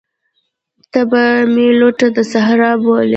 ته به مي لوټه د صحرا بولې